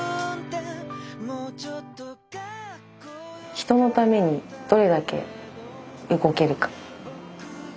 人のためにどれだけ動けるか。